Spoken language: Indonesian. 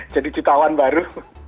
jadi jutawan baru